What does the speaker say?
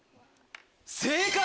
正解！